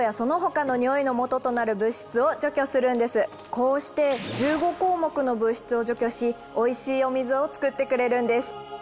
こうして１５項目の物質を除去しおいしいお水を作ってくれるんです。